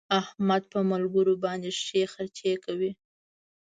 احمد په ملګرو باندې ښې خرڅې کوي.